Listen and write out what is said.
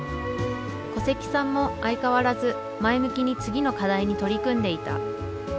古関さんも相変わらず前向きに次の課題に取り組んでいた。